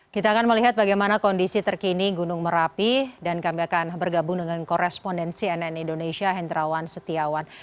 kita akan melihat bagaimana kondisi terkini gunung merapi dan kami akan bergabung dengan korespondensi nn indonesia hendrawan setiawan